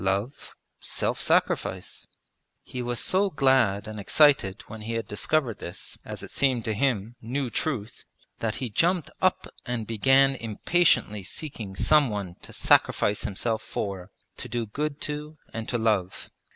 Love, self sacrifice.' He was so glad and excited when he had discovered this, as it seemed to him, new truth, that he jumped up and began impatiently seeking some one to sacrifice himself for, to do good to and to love.